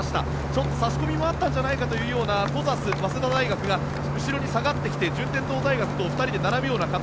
ちょっと差し込みもあったんじゃないかという早稲田大学の小指が後ろに下がってきて順天堂大学と２人で並ぶような形。